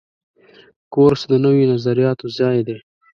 کورس د نویو نظریاتو ځای دی.